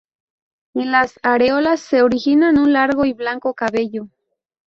En las areolas se originan un largo y blanco cabello.